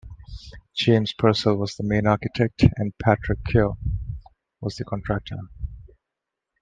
James Purcell was the main architect and Patrick Keough was the contractor.